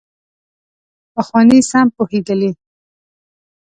پخواني سم پوهېدلي.